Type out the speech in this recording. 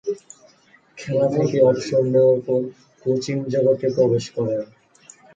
খেলা থেকে অবসর নেয়ার পর কোচিং জগতে প্রবেশ করেন।